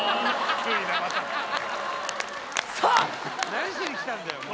何しに来たんだよ